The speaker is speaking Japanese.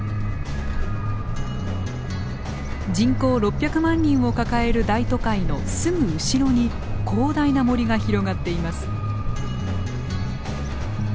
人口６００万人を抱える大都会のすぐ後ろに広大な森が広がっています。